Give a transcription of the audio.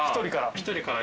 １人から。